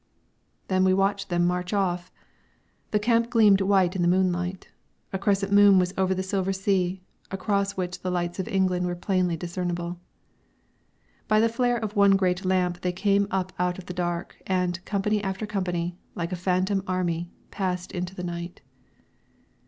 Then we watched them march off. The camp gleamed white in the moonlight. A crescent moon was over the silver sea, across which the lights of England were plainly discernible. By the flare of one great lamp they came up out of the dark, and, company after company, like a phantom army, passed into the night.